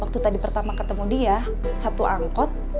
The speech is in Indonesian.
waktu tadi pertama ketemu dia satu angkot